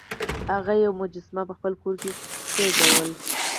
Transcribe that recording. هغه یوه مجسمه په خپل کور کې کیښوده.